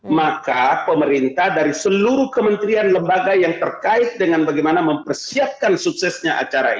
maka pemerintah dari seluruh kementerian lembaga yang terkait dengan bagaimana mempersiapkan suksesnya acara ini